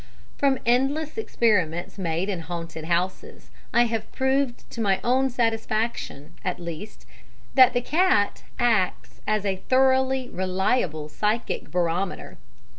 "From endless experiments made in haunted houses, I have proved to my own satisfaction, at least, that the cat acts as a thoroughly reliable psychic barometer.